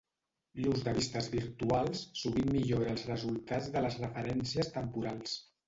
L'ús de vistes virtuals sovint millora els resultats de les referències temporals.